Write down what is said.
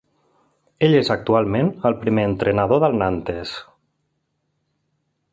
Ell és actualment el primer entrenador del Nantes.